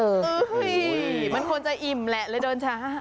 อุ๊ยมันควรจะอิ่มแหละเลยโดนช้า